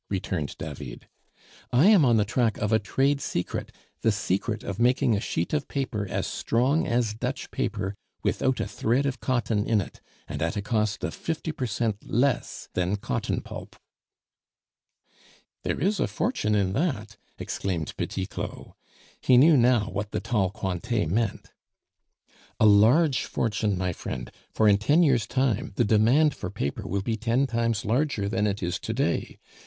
returned David. "I am on the track of a trade secret, the secret of making a sheet of paper as strong as Dutch paper, without a thread of cotton in it, and at a cost of fifty per cent less than cotton pulp." "There is a fortune in that!" exclaimed Petit Claud. He knew now what the tall Cointet meant. "A large fortune, my friend, for in ten years' time the demand for paper will be ten times larger than it is to day.